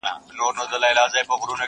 چي په اغزیو د جنون دي نازولی یمه!!